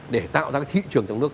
để tạo ra cái thị trường trong nước